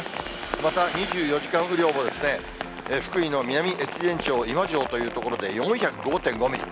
また２４時間雨量も福井の南越前町今庄という所で４０５．５ミリ。